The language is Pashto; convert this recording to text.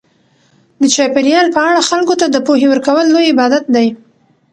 د چاپیریال په اړه خلکو ته د پوهې ورکول لوی عبادت دی.